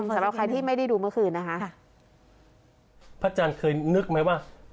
สำหรับใครที่ไม่ได้ดูเมื่อคืนนะคะค่ะพระอาจารย์เคยนึกไหมว่า